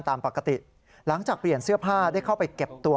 ตามปกติหลังจากเปลี่ยนเสื้อผ้าได้เข้าไปเก็บตัว